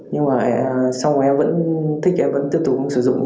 nhưng mà sau đó em vẫn thích em vẫn tiếp tục sử dụng